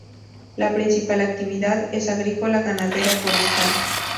La principal actividad es agrícola-ganadero-forestal.